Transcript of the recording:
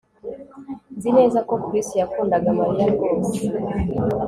Nzi neza ko Chris yakundaga Mariya rwose